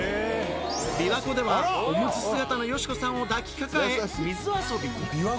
琵琶湖ではおむつ姿の佳子さんを抱きかかえ、水遊び。